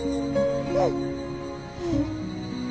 うん！